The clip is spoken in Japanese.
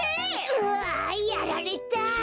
うわやられた！